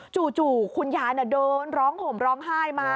จู่คุณยายเดินร้องห่มร้องไห้มา